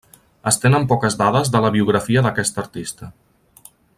Es tenen poques dades de la biografia d'aquest artista.